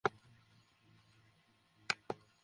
এই ছেলেগুলো নির্দোষ।